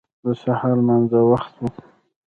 د سهار لمانځه وخت و.